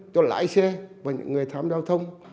cho lái xe và những người tham gia giao thông